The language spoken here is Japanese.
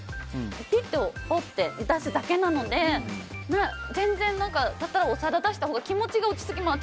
ぺっと取って出すだけなので全然、だったらお皿出したほうが気持ちが落ち着きます。